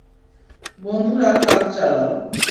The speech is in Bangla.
বন্ধুরা, কাজ চালাও।